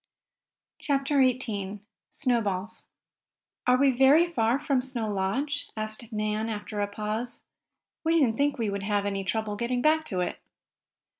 CHAPTER XVIII SNOWBALLS "Are we very far from Snow Lodge?" asked Nan, after a pause. "We didn't think we would have any trouble getting back to it."